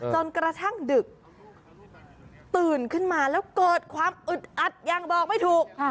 จนกระทั่งดึกตื่นขึ้นมาแล้วเกิดความอึดอัดยังบอกไม่ถูก